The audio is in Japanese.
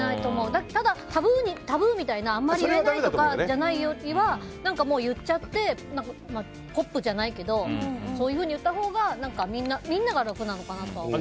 ただ、タブーみたいにあんまり言えないというよりは言っちゃってポップじゃないけどそういうふうに言ったほうがみんなが楽なのかなと思う。